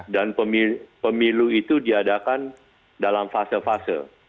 dan pemilu itu diadakan dalam fase fase